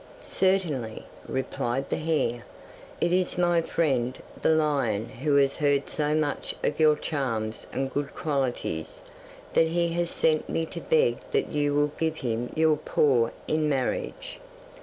'"Certainly," replied the hare. "It is my friend the lion who has heard so much of your charms and good qualities that he has sent me to beg that you will give him your paw in marriage.